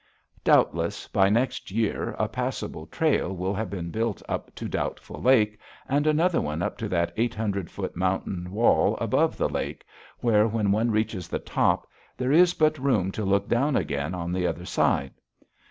Doubtless, by next year, a passable trail will have been built up to Doubtful Lake and another one up that eight hundred foot mountain wall above the lake, where, when one reaches the top, there is but room to look down again on the other side.